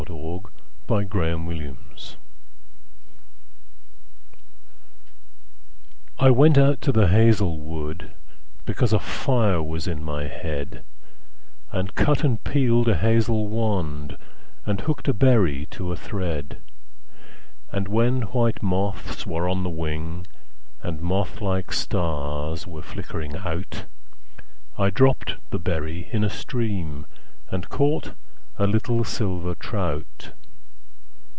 The Song of Wandering Aengus I WENT out to the hazel wood, Because a fire was in my head, And cut and peeled a hazel wand, And hooked a berry to a thread; And when white moths were on the wing, And moth like stars were flickering out,I dropped the berry in a streamAnd caught a little silver trout.